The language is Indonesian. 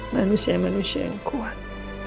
manusia manusia yang kuat